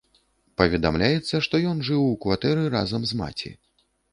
Паведамляецца, што ён жыў у кватэры разам з маці.